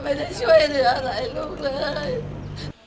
ไม่ได้ช่วยอะไรลูกเลย